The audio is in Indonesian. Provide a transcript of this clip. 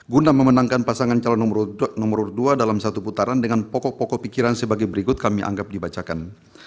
guna memenangkan pasangan calon nomor dua dalam satu putaran dengan pokok pokok pikiran sebagai berikut kami anggap dibacakan